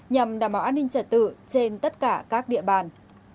nhằm đảm bảo an ninh trật tự trên tất cả các địa bàn